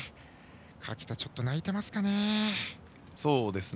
垣田、ちょっと泣いてますかね。